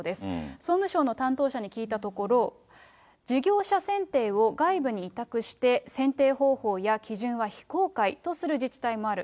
総務省の担当者に聞いたところ、事業者選定を外部に委託して選定方法や基準は非公開とする自治体もある。